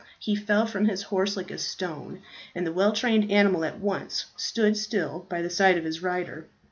He fell from his horse like a stone and the well trained animal at once stood still by the side of his rider.